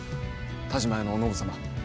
田嶋屋のお信様。